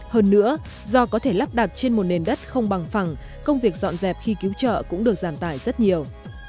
hơn nữa do có thể lắp đặt trên một nền đất không bằng phẳng công việc dọn dẹp khi cứu trợ cũng được giảm tải rất nhiều